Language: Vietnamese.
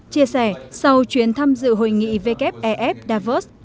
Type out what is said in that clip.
chia sẻ sau chuyến thăm dự hội nghị wf ef davos